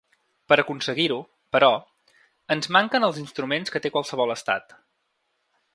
Per aconseguir-ho, però, ens manquen els instruments que té qualsevol estat.